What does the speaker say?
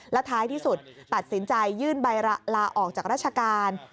แล้วท้ายที่สุดตัดสินใจยื่นใบลาออกจากราชการ